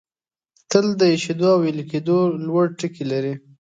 تل د ایشېدو او ویلي کېدو لوړ ټکي لري.